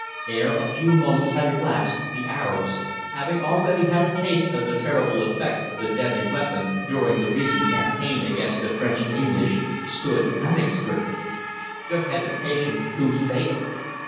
Ere a few moments had elapsed the Arabs, having already had a taste of the terrible effect of the deadly weapon during the recent campaign against the French and English, stood panic stricken. Their hesitation proved fatal.